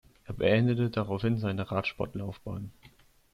Er beendete daraufhin seine Radsportlaufbahn.